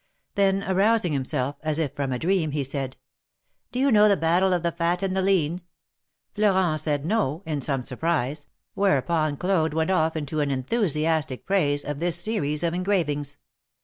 Then arousing himself, as if from a dream, he said : Do you know the Battle of the Fat and the Lean ?" Florent said No," in some surprise, whereupon Claude went off into enthusiastic praise of this series of engra vings.